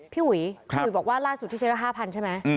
พี่หวีบอกว่าล่าสุดที่เชิญค่า๕๐๐๐ใช่ไหม